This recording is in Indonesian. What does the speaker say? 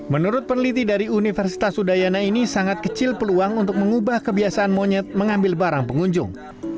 menurut peneliti dari universitas udayana ini sangat kecil peluang untuk mengubah kebiasaan monyet mengambil barang pengunjung